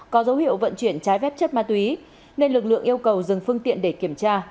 có dấu hiệu vận chuyển trái phép chất ma túy nên lực lượng yêu cầu dừng phương tiện để kiểm tra